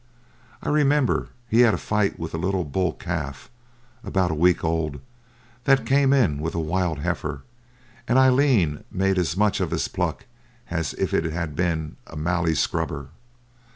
I remember he had a fight with a little bull calf, about a week old, that came in with a wild heifer, and Aileen made as much of his pluck as if it had been a mallee scrubber.